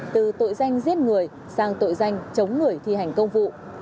từ tội danh giết người sang tội danh chống người thi hành công vụ